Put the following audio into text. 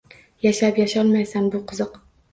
Yashab yasholmaysan, bu qiziq